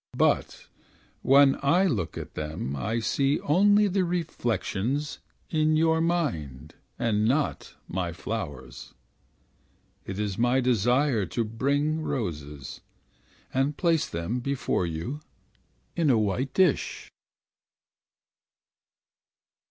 But when I look at them I see only the reflections In your mind. And not my flowers. It is my desire To bring roses. And place them before you In a white dish.